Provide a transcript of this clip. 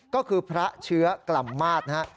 ก็คือพระเชื้อกล่ำมาตรนะฮะ